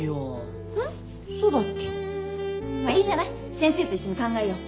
先生と一緒に考えよう。